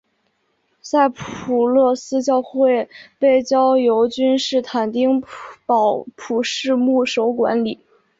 赛普勒斯教会被交由君士坦丁堡普世牧首管理。